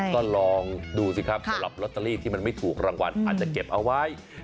ก็ลองดูสิครับสำหรับลอตเตอรี่ที่มันไม่ถูกรางวัลอาจจะเก็บเอาไว้